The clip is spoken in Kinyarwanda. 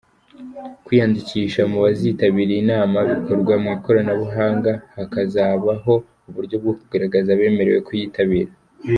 Kwiyandikisha mu bazitabira iyi nama bikorwa mu ikoranabuhanga, hakazabaho uburyo bwo kugaragaza abemerewe kuyitabira.